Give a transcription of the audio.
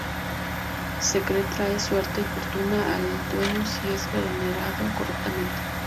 Se cree trae suerte y fortuna al dueño si es venerado correctamente.